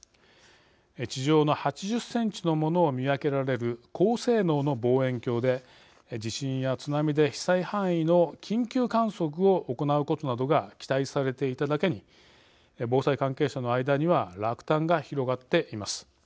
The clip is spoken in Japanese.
地上の８０センチのものを見分けられる高性能の望遠鏡で地震や津波で被災範囲の緊急観測を行うことなどが期待されていただけに防災関係者の間には落胆が広がっています。